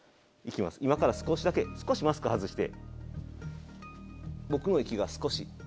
今から少しだけ少しマスク外して僕の。